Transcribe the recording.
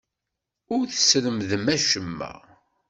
Ur tesremdem acemma.